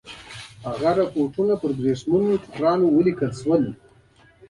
هغه رپوټونه پر ورېښمینو ټوکرانو ولیکل شول.